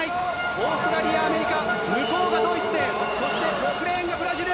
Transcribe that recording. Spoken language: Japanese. オーストラリア、アメリカ、向こうがドイツで、そして６レーンがブラジル。